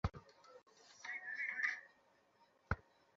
Gym, পরিবেশন করার জন্য ডিস লাগবে।